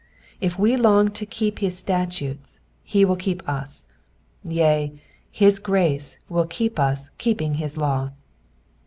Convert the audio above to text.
If we long to keep his statutes he will keep us ; yea, his grace will keep us keeping his law.